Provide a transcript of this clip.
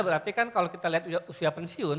berarti kan kalau kita lihat usia pensiun